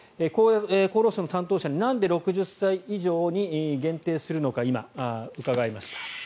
厚労省の担当者になんで６０歳以上に限定するのか伺いました。